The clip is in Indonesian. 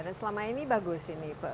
nah ini bagus ini